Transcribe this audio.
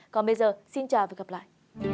còn bây giờ xin chào và gặp lại